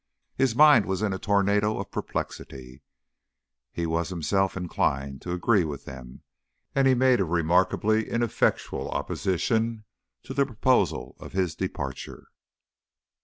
His mind was in a tornado of perplexity, he was himself inclined to agree with them, and he made a remarkably ineffectual opposition to the proposal of his departure.